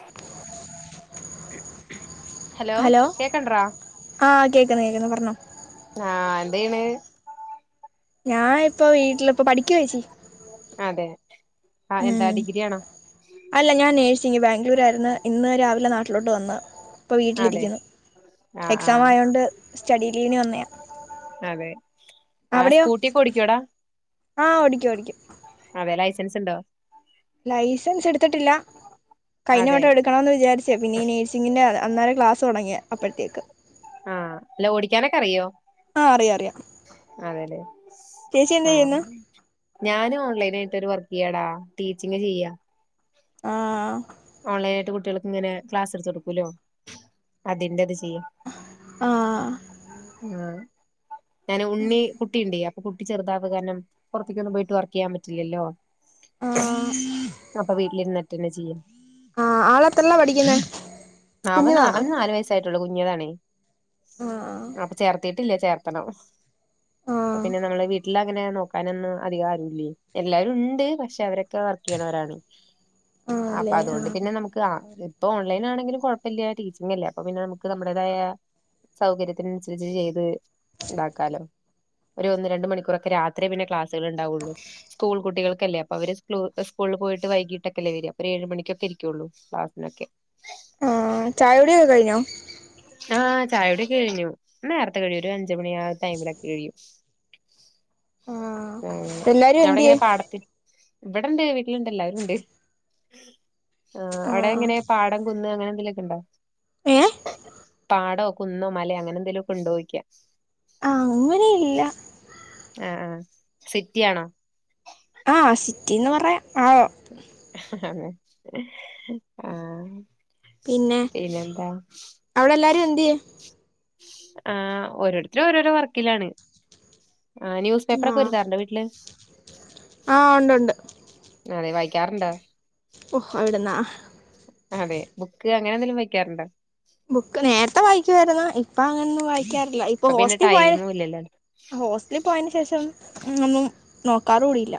അ hello കേക്കണ്ട്രാ ആ കേക്കന്ന് കേക്കുന്നു പറഞ്ഞോ ആഹ് എന്ത് ചെയ്യ്ണെയ് ഞാൻ ഇപ്പ വീട്ടിലി പ്പ പഠിക്കാ ചേച്ചി അതെ ആ എന്താ ഉം ഡിഗ്രി ആണോ അല്ല ഞാൻ നേഴ്സിങ് ബാംഗ്ലൂരയിരുന്നു ഇന്ന് രാവിലെ നാട്ടിലോട്ട് വന്ന് ഇപ്പൊ അതെ വീട്ടിലിരിക്കുന്നു ആഹ് എക്സാം ആഹ് ആയതോണ്ട് സ്റ്റഡി ലീവിന് വന്നെയാ ആ സ്കൂട്ടിയൊക്കെ ഓടിക്കോ ഡാ ആ ഓടിക്കും ഓടിക്കും അതെ ലൈസൻസ് ഉണ്ടോ ലൈസൻസ് എടുത്തിട്ടില്ല കഴിഞ്ഞ അതെ വട്ടം എടുക്കണമെന്ന് വിചാരിച്ചേ പിന്നെ ഈ നഴ്സിംഗ് ന്റെ അന്നേരം ക്ലാസ് തുടങ്ങിയെ അപ്പോഴത്തേക്ക് ആഹ അല്ല ഓടിക്കാനൊക്കെ അറിയോ ആ അറിയാം അറിയാം അതെല്ലെ ചേച്ചി എന്താ ആഹ ചെയ്യുന്നു ഞാനും ഓൺലൈനായിട്ട് ഒരു വർക്ക് ചെയ്യാടാ ടീച്ചിംഗ് ചെയ്യ ആ ഓൺലൈൻ ആയിട്ട് കുട്ടികൾക്ക് ഇങ്ങനെ ക്ലാസ് എടുത്ത് കൊടുക്കല്ലോ അതിന്റെ ഇത് ചെ- യ്യ ആ ആ ഞൻ ഉണ്ണി കുട്ടിണ്ടെ കുട്ടി ചെറുതായത് കാരണം പുറത്തേക്കൊന്നും പോയിട്ട് വർക്ക് ചെയ്യാൻ പറ്റില്ലല്ലോ ആ അപ്പൊ വീട്ടിലിരുന്നിട്ട് തന്നെ ചെയ്യാം ആഹ് ആള് എത്രയിലാ പഠിക്കുന്നേ അവൻ കുഞ്ഞിതാണോ അവന് നാല് വയസ്സായിട്ടുള്ളു കുഞ്ഞതണേ ആ അപ്പൊ ചേർത്തിട്ട് ട്ടില്ല ചേർത്തണം ആ പ്പ പിന്നെ നമ്മളെ വീട്ടില അങ്ങനെ നോക്കാനൊന്നും അധികം ആരു ഇല്ലേ എല്ലാവരും ഉണ്ട് പക്ഷെ അവര ഒകെ വർക്ക്‌ ചെയുന്നവാരാണ് ആ അപ്പ അല്ലേ അതുകൊണ്ട് ആ പിന്നെ നമുക്ക് ആ പ്പ ഓൺലൈൻ ആണെങ്കിലും കൊഴപ്പയില്ല ടീച്ചിങ് അല്ലെ അപ്പൊ പിന്നെ നമുക്ക് നമ്മുടേതായ സൗകര്യത്തിനനുസരിച്ച് ചെയ്ത് ഉണ്ടാക്കാലോ ഒരു ഒന്ന് രണ്ട് മണിക്കൂറക്കെ രാത്രിയേ പിന്നെ ക്ലാസ്സുകൾ ഉണ്ടാവോള്ളൂ സ്കൂൾ കുട്ടികൾക്കല്ലേ അപ്പ അവര് സ് സ്കൂളിൽ പോയിട്ട് വൈകട്ടൊക്കെല്ലേ വര അപ്പ ഏഴ് മണിക്കക്കെ ഇരിക്കുള്ളൂ ക്ലാസ്സ്‌ന്നൊക്കെ ആഹ് ചായകുടി ഒക്കെ കഴിഞ്ഞോ ആഹ് ചായുടി ഒക്കെ കഴിഞ്ഞു. നേര്ത്തെ കഴിയും. ഒരു അഞ്ചു മണിയാ ആ ടൈമിലൊക്കെ കഴിയും. ആഹ് ഏഹ് എല്ലാരും എന്തിയേ ഞവ്ടെങ്ങനെ പാടത്തി ഇവിടെണ്ട് വീട്ട്ല്ണ്ട് എല്ലരുണ്ട് ആ ആഹ് അവ്ടെങ്ങനെ പാ ടം, കുന്ന് അങ്ങനെ എന്തെലൊക്കെണ്ടോ? ഏഹ് പാടോ, കുന്നോ, മലേ അങ്ങനെ എന്തേലൊക്കെ ഉണ്ടോ യ്ക്കാ ആഹ് അങ്ങനെയില്ല അഹ് ആഹ് സിറ്റി ആണോ? ആ സിറ്റിന്ന് പറയാ ആവോ ആഹ് പിന്നെ അവ്ടെ എല്ലാരും എന്തേ ആഹ് ഓരോരുത്തരും ഓരോരോ വർക്കിലാണ് ആഹ് ന്യൂസ് പേപ്പർ ഒക്കെ ആഹ് വര്ത്താറുണ്ടോ വീട്ട്ല് ആഹ് ഉണ്ടുണ്ട് അതെ വായിക്കാർണ്ടോ ഓഹ് എവിടുന്നാ അതെ ബുക്ക് അങ്ങനെ എന്തെങ്കിലും വായ്ക്കാർണ്ടോ ബുക്ക് നേരത്തെ വായിക്കുമായിരുന്നു ഇപ്പ അങ്ങനൊന്നും വായിക്കാറില്ല ഇപ്പൊ പിന്നെ ഹോസ്റ്റിൽ പോയാ ടൈമും ഇല്ലല്ലോ ഹോസ്റ്റലിൽ പോയേന് ശേഷം ഒന്നും നോക്കാറു കൂടി ഇല്ല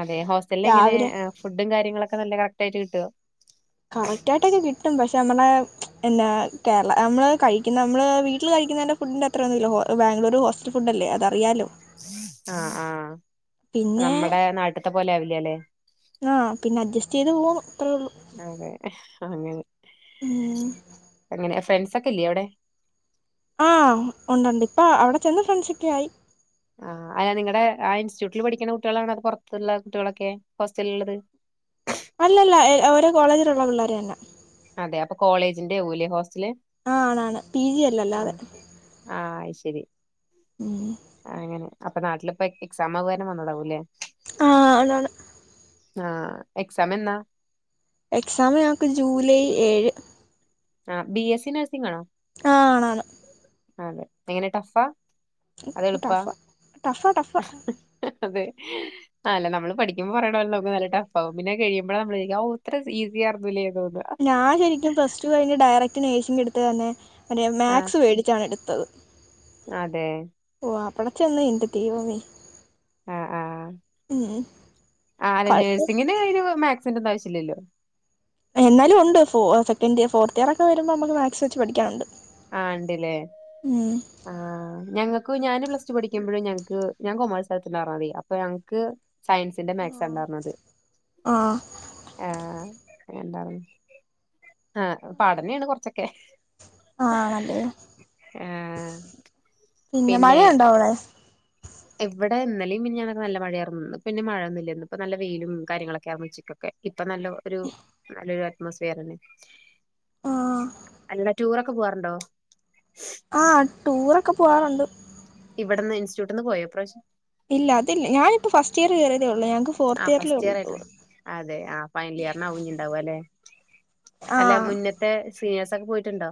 അതെ ഹോസ്റ്റലിൽ എങ്ങനെ ഫുഡും കാര്യങ്ങളൊക്കെ നല്ല കറക്റ്റ് ആയിട്ട് കിട്ടോ കറക്റ്റ് ആയിട്ടൊക്കെ കിട്ടും. പശേ അ മ്മളെ എന്ന കേരള നമ്മള് കഴിക്കുന്ന നമ്മള് വീട്ട്ല് കഴിക്കുന്നേന്റെ ഫുഡ്ന്റെ അത്രേന്നുല്ല ഹോ ബാംഗ്ലൂറ് ഹോസ്റ്റൽ ഫുഡല്ലേ അതറിയാലോ അഹ് ആഹ് പിന്നെ നമ്മടെ നാട്ട്ത്തെ പോലെ ആവില്ലെലേ ആഹ് പിന്നെ അഡ്ജസ്റ്റ് ചെയ്ത് പോണു അത്രേള്ളൂ അതെ അങ്ങനെ ഉം അങ്ങനെ ഫ്രണ്ട്സ് ഒക്കെല്ല്യേ അവിടെ ആഹ് ഉണ്ടുണ്ട് ഇപ്പാ അവ്ടെ ചെന്ന് ഫ്രണ്ട്ഷിക്കെ ആയി ആഹ് നിങ്ങടെ ആ ഇൻസ്റ്റിറ്റ്യൂട്ട്ല് പഠിക്ക്ണ കുട്ട്യാളാണ് അത് പൊറത്ത്ള്ള കുട്ടികളൊക്കെ ഹോസ്റ്റൽള്ളത്? അല്ലല്ല ഓരോ കോളേജിലുള്ള പിള്ളേര് തന്നാ അതെ അപ്പൊ കോളേജിന്റെയവുല്ലേ ഹോസ്റ്റല് ആഹ് ആണ് ആണ് പി ജി അല്ല അല്ലാതെ ആഹ് ആഹ് ശരി ഉം അങ്ങനെ അപ്പൊ നാട്ടില്പ്പ എക്സാം ആ [inaudible] വന്നതാവൂല്ലേ ആഹ് ആണാണ്. ആഹ് എക്സാമെന്നാ? എക്സാമ് ഞങ്ങക്ക് ജൂലൈ ഏഴ് ആഹ് ബി എസ് സി നഴ്സിങ് ആണോ ആഹ് ആണാണ്. ആണ്ല്ലെ എങ്ങനെ ടഫാ അത് എള്പ്പാ ടഫാ ടഫാ ടഫാ അതെ അല്ല നമ്മള് പഠിക്കുമ്പോ പറയണ [unintelligible] നല്ല ടഫാവും. പിന്നെ കഴിമ്പ്ളാ നമ്മള് ക്കാ ഔ ഇത്ര ഈസി ആയ്രുന്നൂല്ലേ തോന്ന ഞാ ശരിക്കും പ്ലസ് ടു കഴിഞ്ഞ് ഡയറക്റ്റ് നഴ്സിങ് എട്ത്ത തന്നെ മറ്റേ ആഹ് മാത്സ് പേടിച്ചാണ് എടുത്തത് അതെ ഓഹ് അവിടെ ചെന്ന് എൻ്റെ ദൈവമേ ആഹ് ആഹ് ഉം ആ അല്ല കൊഴപ്പ നഴ്സിങ്ങിന് അയിന് മാത്സിന്റെ ഒന്നും ആവശ്യം ഇല്ലല്ലോ. എന്നാലും ഉണ്ട് ഫോ സെക്കന്റ് ഇയ ഫോർത്ത് ഇയറ് ഒക്കെ വരുമ്പോ അമ്മക്ക് മാത്സ് വെച്ച് പഠിക്കാനുണ്ട് ആഹ് ഇണ്ട്‌ല്ലേ ഉം ആഹ് ഞങ്ങക്കു ഞാന് പ്ലസ് ടു പഠിക്ക്മ്പഴും ഞങ്ങക്ക് ഞാ കൊമേഴ്സ് എട്ത്ത്ണ്ടായിർന്നതേ അപ്പ ഞൻക്ക് സയൻസിന്റെ മാത്സണ്ടാർന്നത് ആഹ് ആഹ് എങ്ങണ്ടാർന്നു ആഹ് പാഠന്യാണ് കൊർച്ചൊക്കെ ആണല്ലേ ആഹ് പിന്നെ മഴയുണ്ടോ അവിടെ ഇവിടെ ഇന്നലേും മിന്നെഞാന്നൊക്കെ നല്ല മഴയറന്നു പിന്നെ മഴൊന്നില്ല ഇപ്പ നല്ല വെയിലും കാര്യങ്ങളൊക്കെ ഇറന്ന് വച്ചിക്കും ഇപ്പൊ നല്ല ഒരു നല്ലൊരു അറ്റ്മോസ്ഫിയർന്നെ ആഹ് അല്ല ടൂറൊക്കെ പോവാറുണ്ടോ ആഹ് ടൂറൊക്കെ പോവാറുണ്ട് ഇവിടുന്ന് ഇൻസ്റ്റ്യൂട്ടന്ന് പോയ ഇപ്രാവിശ്യ ഇല്ല അതില്ല ഞാനിപ്പോ ഫസ്റ്റ് ഇയർ കയറതേ ഉള്ളൂ ഞൾക്ക് ആഹ് ഫോർത്ത് ഇയറൽ ഫസ്റ്റ് ഇയർ ഉള്ളൂന്ന്തോന്ന് ആയിട്ടുണ്ട് അതെ ആഹ് ഫൈനലിയറിനാവും ഇനിഇണ്ടാവുകാല്ലെ അല്ല ആഹ് മുന്ന ന്നത്തെ സീനിയേഴ്സ്ക്കെ പോയിട്ടുണ്ടോ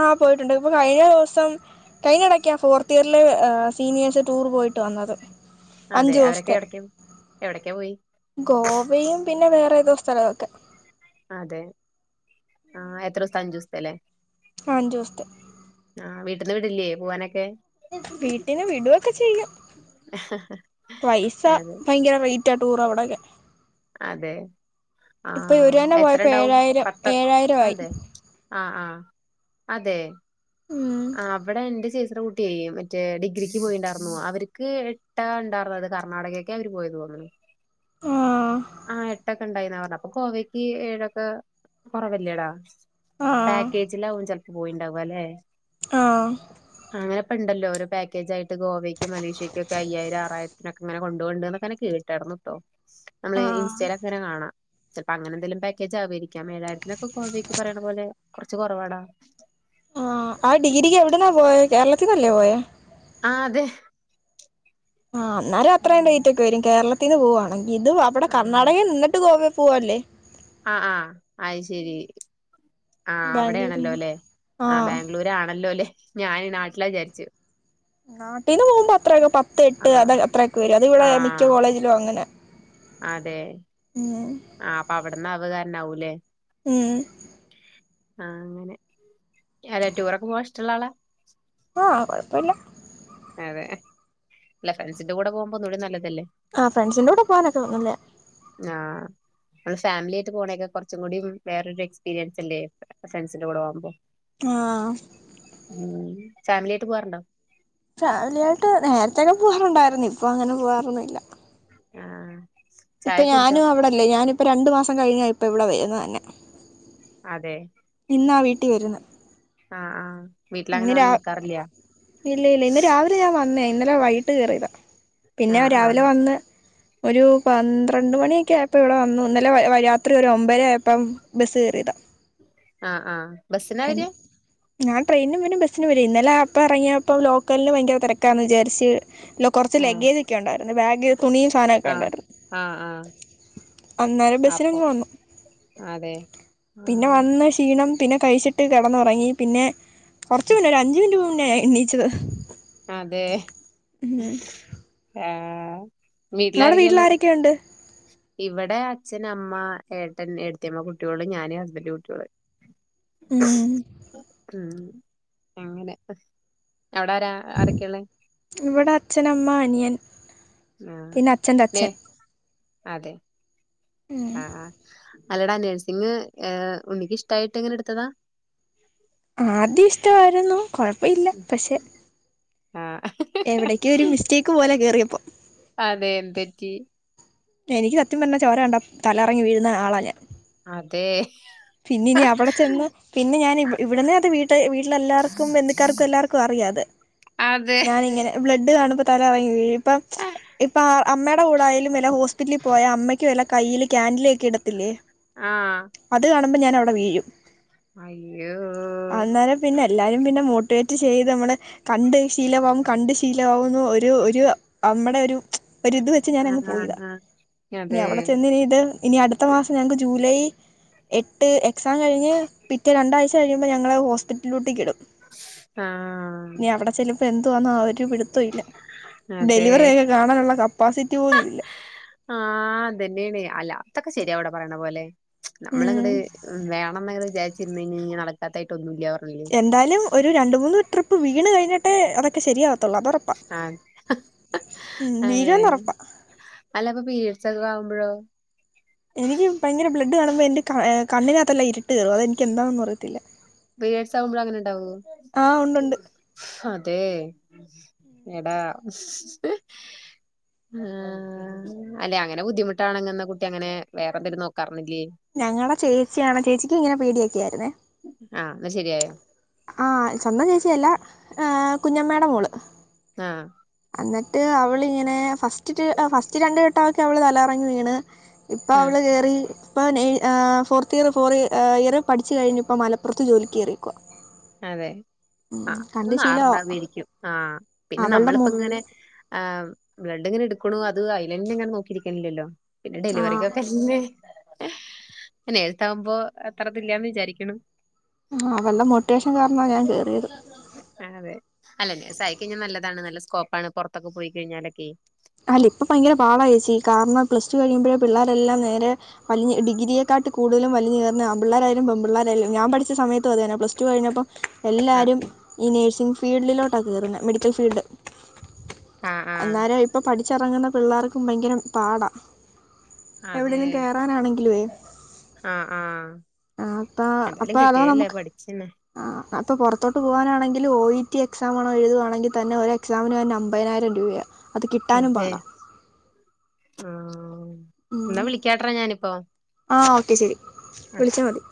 ആഹ് പോയിട്ടുണ്ട് ഇപ്പൊ കഴിഞ്ഞ ദിവസം കഴിഞ്ഞടക്കെയാ ഫോർത്ത് ഇയറിലെ സീനിയേഴ്സ് ടൂർ പോയിട്ട് വന്നത് അതെ അഞ്ചു അവരൊക്കെ ദിവസത്തെ എവിടക്ക എവിടേക്കാ പോയി ഗോവയും പിന്നെ വേറെ ഏതോ സ്ഥലവുക്കെ അതെ ആഹ് എത്ര ദിവസം അഞ്ചു ദിവസത്തെല്ലേ ആഹ് അഞ്ചുസത്തേ ആഹ് വീട്ടിന്ന് വിടില്ലേ പോവാനൊക്കെ വീട്ടീന്ന് വിടൊക്കെ ചെയ്യും പൈസ അതെ ഭയങ്കര റയ് റ്റ ടൂർ അവിടൊക്കെ അതെ ഇപ്പൊ ഇവര് ആഹ് തന്നെ എത്ര പോയപ്പോ ഉണ്ടാവും ഏഴായിരം പത്ത് ഏഴായിരം ആയി അതെ ആഹ് ആഹ് അതെ ഉം ആഹ് അവിടെ എന്റെ ചേച്ചിടെകു ചെയ മറ്റേ ഡിഗ്രിക്ക് പോയിണ്ടായിർന്ന അവർക്ക് എട്ടാ ഉണ്ടായിർന്ന അത് കർണാടകക്കെ അവര് പോയത് തോന്നണ് ആഹ് ആഹ് എട്ടൊക്കെ ഉണ്ടായിന്ന അവ അപ്പ ഗോവക്ക് ഏഴ്ക്കെ കുറവല്ലേടാ ആഹ് പാക്കേജിലാവും ചില പോയിണ്ടാവല്ലെ ആഹ് അങ്ങനെ ഇപ്പ ഇണ്ടല്ലോ ഒരു പാക്കേജായിട്ട് ഗോവേക്ക് മലേഷ്യയ്ക്കും ഒക്കെ അയ്യായിരം ആറായിരത്തിനൊക്കെ അങ്ങനെ കൊണ്ടോഅ്ണ്ട് എന്നൊക്കങ്ങനെ കേട്ടായിറുന്നുട്ടോ നമ്മള് ആഹ് ഇൻസ്റ്റയിലൊക്കെങ്ങനെ കാണാ. ചെൽപ്പോ അങ്ങനെ എന്തെലും പാക്കേജ് ആവായിരിക്കാം ഏഴായിരത്തിനൊക്കെ ഗോവേക്ക് പറിണ പോലെ കൊർച്ച് കൊറവാടാ. ആഹ് ആഹ് ഡിഗ്രിക്ക് എവിട്ന്നാ പോയെ കേരളത്തിന്നല്ലേ പോയേ. ആഹ് അതെ. ആഹ് അന്നാരം അത്ര റേറ്റൊക്കെ വരും കേരളത്തീന്ന് പോവാണങ്കി. ഇത് അവിടെ ആഹ് കർണാടകേൽ നിന്നിട്ട് ഗോവേ പോവല്ലേ ആഹ് ആഹ് അ്ശരി ആഹ് ബാംഗ്ലൂര്ന്ന് അവിടേണല്ലോലെ ആഹ് ബാംഗ്ലൂരാണല്ലോലെ ഞാൻ നാട്ടിലാ വിചാരിച്ച്. നാട്ടീന്ന് പോകുമ്പോ അത്രയൊക്കെ പത്ത് ആ എട്ട് അത അത്രയൊക്കെ വരും ആ അതിവിടെ മിക്ക കോളേജിലും അങ്ങനെ. അതെ ഉം ആഹ് അപ്പ അവിടെന്ന് അവ്കാരനാവൂലേ ഉം ആഹ് അങ്ങനെ. അതെ ടൂറൊക്കെ പോവാൻ ഇഷ്ടള്ള ആളാ. ആഹ് കുഴപ്പില്ല അതെ അല്ല ഫ്രണ്ട്സിന്റെ കൂടെ പോകുമ്പോ ഒന്നൂടി നല്ലതല്ലേ ആഹ് ഫ്രണ്ട്സിന്റെ കൂടെ പോവാനൊക്കെ നല്ലേ ആഹ് നമ്മള് ഫാമിലി ആയിട്ട് പോണെക്കെ കുറച്ചും കൂടിം വേറൊരു എക്സ്പീരിയൻസ്ല്ലേ ഫ്രണ്ട്സിന്റെ കൂടെ പോവുമ്പോ. ആഹ് ഉം ഫാമിലി ആയിട്ട് പോവാറുണ്ടോ ഫാമിലി ആയിട്ട് നേറത്തെക്കെ പോവാറുണ്ടായിരുന്നു ഇപ്പൊ അങ്ങനെ പോകവാറൊന്നുംല്ല ആഹ് ഇപ്പ ചായൊക്കെ കുടിച്ചോ ഞാനും അവിടെല്ല ഞാനിപ്പം രണ്ടു മാസം കഴിഞ്ഞ ഇപ്പ ഇവിടെ വരുന്നഅ് തന്നെ അതെ ഇന്നാ വീട്ടി വരുന്ന് ആഹ് ആഹ് വീട്ടില അങ്ങനെ വന്ന് നിക്കാറില്ല്യ. ഇല്ല ഇല്ല ഇന്ന് രാവിലെ ഞാൻ വന്നേ ഇന്നലെ വൈകിട്ട് കേയറിയതാ. പിന്നെ ആഹ് രാവിലെ ആഹ് വന്ന് ഒരു പന്ത്രണ്ട് മണിയൊക്കെ ആയപ്പോ ഇവിടെ വന്നു. ഇന്നലെ രാത്രി ഒരു ഒമ്പേര ആയപ്പം ബസ്സ് കേറിയതാ. ആഹ് ആഹ് ബസ്സിനാ എൻ വരിക ഞാ ട്രെയിനും വരും ബസിനും വരും. ഇന്നലെ അപ്പ എറങ്ങിയപ്പോ ലോക്കല്ല് ഭയങ്കര തെരക്കാന്ന് ചാരിച്ച് ലൊ കൊർച്ച് ആഹ് ലഗേജ്ക്കെ ഉണ്ടായിരുന്നു ബാഗ് തുണിയും സാനൊക്കെ ആഹ് ണ്ടായിരുന്നു. ആഹ് ആഹ് അന്നേരം ബസിന് അപ്പം പോന്നു അതെ പിന്നെ ആഹ് വന്ന ക്ഷീണം പിന്നെ കഴിച്ചിട്ട് കെടന്നൊറങ്ങി പിന്നെ കൊർച്ച് മുന്നേ ഒരു അഞ്ച് മിനിറ്റ് മുന്നേ എണീച്ചത്. അതെ ഉം ആഹ് അവടെ വീട്ടിലാരൊക്കെയുണ്ട്? ഇവടെ അച്ഛൻ, അമ്മ, ഏട്ടൻ, ഏട്ടത്തിയമ്മ, കുട്ടിയോള്, ഞാന്, ഹസ്ബന്റ്, കുട്ടിയോള് ഉം ഉം അങ്ങനെ അവടാരാ? ആരെക്കെള്ളെ? ഇവടെ അച്ഛനമ്മ, അനിയൻ ആഹ് പിന്നെ അച്ഛൻ്റെ തെ അച്ഛൻ അതെ ആഹ് ആഹ് അല്ലടാ നഴസിങ് ഏഹ് ഉണ്ണിക്ക് ഇഷ്ടായിട്ട് അങ്ങനെ എട്ത്തതാ? ആദ്യം ഇഷ്ടായിരുന്നു കൊഴപ്പ ഇല്ല പക്ഷെ ആഹ് എവിടെക്കേ ഒരു മിസ്റ്റേക്ക് പോലെ കേറിയപ്പോ അതെ എന്തറ്റി? എനിക്ക് സത്യം പർഞ്ഞാ ചോര കണ്ടാ തല കറങ്ങി വീഴുന്ന ആളാ ഞാൻ. അതെ പിന്നെ ഇനി അവടെ ചെന്ന് പിന്നെ ഞാൻ ഇവ് ഇവടന്ന് അത് വീട്ട് വീട്ടിലെല്ലാർക്കും ബന്ധക്കാർക്കും എല്ലാർക്കും അറിയാ അത്. അതെ ഞാനിങ്ങനെ ബ്ലഡ് കാണുമ്പോ തല കറങ്ങി വീഴും ഇപ്പം. ഇപ്പ അമ്മയുടെ കൂടെയാലും വല ഹോസ്പിറ്റലിൽ പോയാ അമ്മയ്ക്ക് വല കയ്യിൽ കാൻഡില ഒക്കെ ഇടത്തില്ലേ. ആഹ് അത് കാണുമ്പ ഞാൻ അവടെ വീഴും. അയ്യോ! അന്നേരം പിന്നെ എല്ലാരും പിന്നെ മോട്ടിവേറ്റ് ചെയ്ത് നമ്മള് കണ്ട് ശീലമാവും. കണ്ട് ശീലാകുന്നു ഒരു ഒരു നമ്മുടെ ഒരു ഒരിത് വെച്ച് ഞാൻ അങ്ങ് പോയിതാ ആഹ് ഇഞ്ഞ് അതെ അവടെ ചെന്ന് ഇനി ഇത് ഇനി അട്ത്ത മാസം ഞങ്ങക്ക് ജൂലൈ എട്ട് എക്സാം കഴിഞ്ഞ് പിറ്റേ രണ്ടാഴ്ച കഴിയുമ്പോ ഞങ്ങളെ ഹോസ്പിറ്റലിലോട്ട് കിടും. ആഹ് ഇനി അവടെ ചെല്ല്മ്പോ എന്തോന്നാ ഒരു പിടു ത്തൊല്ല അതെ ഡെലിവറിയൊക്കെ കാണാനുള്ള കപ്പാസിറ്റി പോലുംല്ല. ആഹ് അതന്നെയാണ് അല്ല അതൊക്കെ ശരിയാ അവടെ പറിണ പോലെ. ഉം നമ്മളങ്ങട് വേണംന്ന്ങ്ങന വിചാച്ചിര്ന്ന യ്ഞ്ഞാ നടക്കാത്തായിട്ട് ഒന്നുംല്ല പർഞ്ഞി എന്തായാലും ഒരു രണ്ട്, മൂന്ന് ട്രിപ്പ് വീണ് കഴിഞ്ഞിട്ടേ അതൊക്കെ ശരിയാവത്തുള്ളൂ അത് ഒറപ്പാ. ആഹ് ഉം അതെ വീഴുന്ന് ഒറപ്പാ. അല്ല പ്പൊ പീരിഡ്സ് ഒക്കെ ആവുമ്പഴോ? എനിക്ക് ഭയങ്കര ബ്ലഡ് കാണുമ്പോ എന്റെ ഹേ കണ്ണ്നകത്തല്ലാം ഇര്ട്ട് കേറും അതെനിക്ക് എന്താന്നും അറിയത്തില്ല. പിരിയ്ഡ്സ് ആകുമ്പോഴും അങ്ങനെ ണ്ടാവോ? ആഹ് ഉണ്ടുണ്ട് അതെ എടാ ആഹ് അല്ലെ അങ്ങനെ ബുദ്ധിമുട്ടാണങ്ങന്ന കുട്ടി അങ്ങനെ വേറെന്തെലും നോക്കാർന്നില്ലേ. ഞങ്ങടെ ചേച്ചിയാണ് ചേച്ചിക്ക് ഇങ്ങനെ പേടിയൊക്ക ആയിരുന്നേ. ആഹ് ന്ന ശരിയായോ? ആഹ് സ്വന്തം ചേച്ചിയല്ല ഏ കുഞ്ഞമ്മേടെ മോള് ആഹ് എന്നിട്ട് അവളിങ്ങനെ ഫസ്റ്റ് ഫസ്റ്റ് രണ്ടു വട്ടൊഒക്കെ അവള് തലകറങ്ങി വീണ് ഇപ്പൊ ആഹ് അവള് ഏറി ഇപ്പൊ നെ ആഹ് ഫോർത്ത് ത്ത് ഫോറ് ഏഹ് ഏറെ പഠിച്ചു കഴിഞ്ഞപ്പോ മലപ്പൊറത്ത് ജോലിക്ക് കേറിയേക്കുവാ അതെ ആ ഉം അത് കണ്ട് ശീലവാ മാറണ്ടാന്നിരിക്കും ആഹ് പിന്നെ അവളുടെ നമ്മളിപ്പ മോ ഇങ്ങനെ ആഹ് ബ്ലഡ്‌ ഇങ്ങനെ ഇട്ക്ക്ണു അത് അയിലെന്നേ ഇങ്ങനെ നോക്കിയിരിക്കണില്ലല്ലോ പിന്നെ ആഹ് ഡെലിവറിക്കൊക്കെ ല്ലേ പിന്നെ നേരത്ത ആവുമ്പോ അത്ര ഇതില്ലാന്ന് വിചാരിക്ക്ണ് ആ അവളെ മോട്ടിവേഷൻ കാരണാ ഞാൻ കേറിയത് ആ അതെ അല്ല നേഴ്സ് ആയി കഴിഞ്ഞാ നല്ലതാണ് നല്ല സ്കോപ്പാണ് പൊറത്തൊക്കെ പോയി കഴിഞ്ഞാലൊക്കേയ് അല്ല ഇപ്പ ഭയങ്കര പാവാ ഏച്ചി കാർണം പ്ലസ് ടു കഴിയുമ്പഴേ പിള്ളേരെല്ലാം നേരെ വലിഞ്ഞ് ഡിഗ്രിയേക്കാട്ട് കൂടുതലും വലിഞുകേറുന്ന ആൺ പിള്ളാരായാലും പെൺ പിള്ളാരാലും ഞാൻ പഠിച്ച സമയത്തും അതെ ഞാൻ പ്ലസ്ടു കഴിഞ്ഞപ്പം ആഹ് എല്ലാരും ഈ നേഴ്സിംങ് ഫീൽഡിലോട്ടാ കേറുന്നെ മെഡിക്കൽ ഫീൽഡ് ആഹ് ആഹ് അന്നാരം ഇപ്പൊ പഠിച്ച റങ്ങുന്ന പിള്ളേർക്കും ഭയങ്കരം പാടാ എവിടെലും കേറാനാണെങ്കിലോയ് ആ ആ അപ്പൊ എന്തായാലും അതോ കിട്ടിയല്ലേ നമുക്ക് പഠിച്ചന്നെ ആ അപ്പോ പൊറത്തോട്ട് പോവാനാണെങ്കില് ഓ ഇ ട്ടി എക്സാം ആണോ എഴുതുവാണെങ്കി തന്നെ ഒരു എക്സാമിന് തന്നെ അമ്പതിനായിരം രൂപയാ അതെ ആ ന്നാ വിളിക്കാട്രെ ഞാനിപ്പോ ആഹ് ഓക്കെ ശരി വിളിച്ചാ മതി